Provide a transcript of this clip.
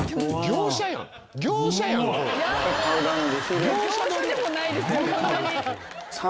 業者でもないですよこんなに。